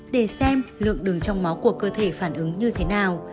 để xem lượng đường trong máu của cơ thể phản ứng như thế nào